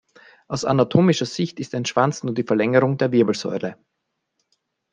Aus anatomischer Sicht ist ein Schwanz nur die Verlängerung der Wirbelsäule.